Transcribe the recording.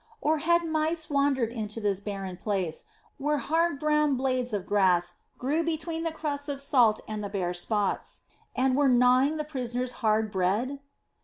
Or had mice wandered to this barren place, where hard brown blades of grass grew between the crusts of salt and the bare spots, and were gnawing the prisoners' hard bread?